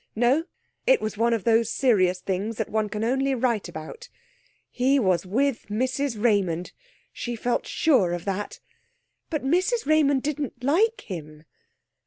No; it was one of those serious things that one can only write about. He was with Mrs Raymond, she felt sure of that. But Mrs Raymond didn't like him....